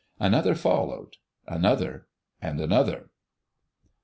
Another followed; another, and another.